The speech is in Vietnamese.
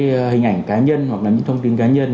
những hình ảnh cá nhân hoặc là những thông tin cá nhân